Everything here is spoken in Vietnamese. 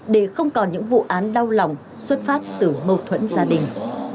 để không còn những vụ án đau lòng xuất phát từ mâu thuẫn gia đình